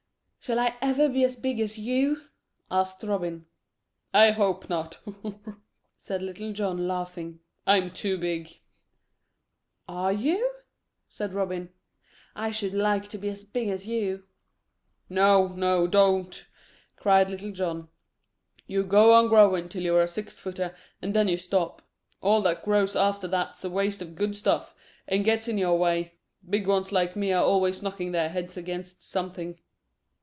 "Shall I ever be as big as you?" asked Robin. "I hope not," said Little John, laughing. "I'm too big." "Are you?" said Robin. "I should like to be as big as you." "No, no, don't," cried Little John. "You go on growing till you're a six footer, and then you stop. All that grows after that's waste o' good stuff, and gets in your way. Big uns like me are always knocking their heads against something."